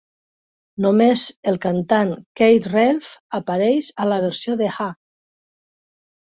Només el cantant Keith Relf apareix a la versió de Ha!